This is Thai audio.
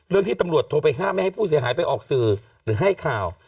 ที่ตำรวจโทรไปห้ามไม่ให้ผู้เสียหายไปออกสื่อหรือให้ข่าว